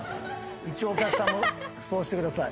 一応お客さんもそうしてください。